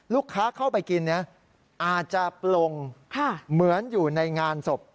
เข้าไปกินอาจจะปลงเหมือนอยู่ในงานศพ